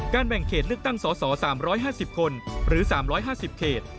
แบ่งเขตเลือกตั้งสส๓๕๐คนหรือ๓๕๐เขต